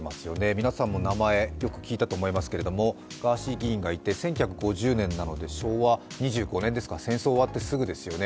皆さんも名前、よく聞いたと思いますが、ガーシー議員がいて１９５０年なので昭和２５年、戦争が終わってすぐですね。